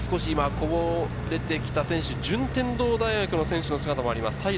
こぼれてきた選手、順天堂大学の選手の姿もあります